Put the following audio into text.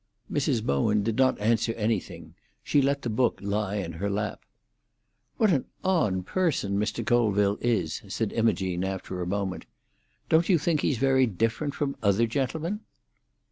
Mrs. Bowen did not answer anything; she let the book lie in her lap. "What an odd person Mr. Colville is!" said Imogene, after a moment. "Don't you think he's very different from other gentlemen?"